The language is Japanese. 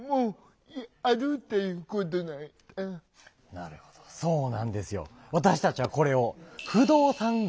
なるほどそうなんですよ。